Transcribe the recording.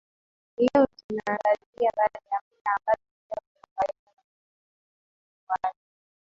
Leo tunaangazia baadhi ya mila ambazo ni jambo la kawaida kwa jamii zinazozifuata